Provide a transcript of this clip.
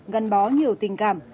gắn bó nhiều tình cảm